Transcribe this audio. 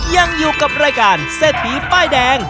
ยังอยู่กับรายการเศรษฐีป้ายแดง